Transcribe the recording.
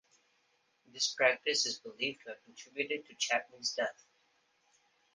This practice is believed to have contributed to Chapman's death.